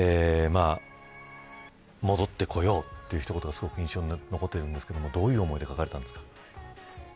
もどってこようという一言がすごく印象に残ってるんですけどどういう思いで書かれたんですか。